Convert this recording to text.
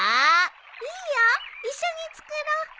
いいよ一緒に作ろ。